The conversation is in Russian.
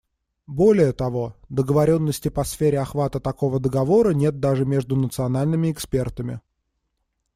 Более того, договоренности по сфере охвата такого договора нет даже между национальными экспертами.